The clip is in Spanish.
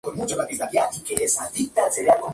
Incluso se generaba un mandato de detención.